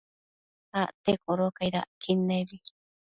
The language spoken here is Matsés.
Acte codocaid acquid nebi